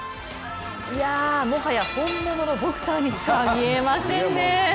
もはや本物のボクサーにしか見えませんね。